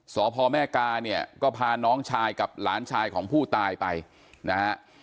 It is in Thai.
สพแม่กาเนี่ยก็พาน้องชายกับหลานชายของผู้ตายไปนะฮะ